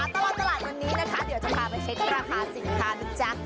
ตลอดตลาดวันนี้นะคะเดี๋ยวจะพาไปเช็คราคาสินค้านะจ๊ะ